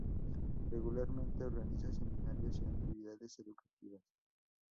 Regularmente organiza seminarios y actividades educativas.